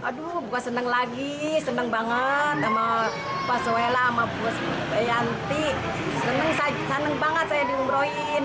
sama seneng lagi seneng banget sama paswela sama bos bayanti seneng seneng banget saya diumrohin